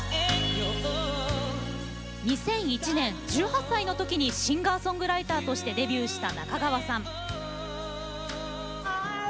２００１年、１８歳のときにシンガーソングライターとしてデビューした中川さん。